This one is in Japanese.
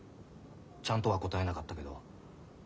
ちゃんとは答えなかったけど多分。